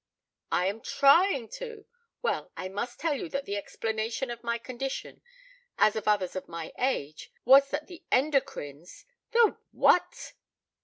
"I am trying to! Well, I must tell you that the explanation of my condition, as of others of my age, was that the endocrines " "The what?"